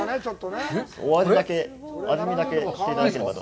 お味だけ、味見だけしていただければと。